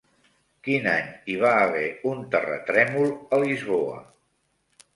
Quin any hi va haver un terratrèmol a Lisboa?